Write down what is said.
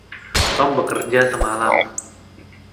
Tom bekerja semalam.